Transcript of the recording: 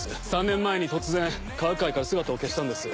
３年前に突然科学界から姿を消したんです。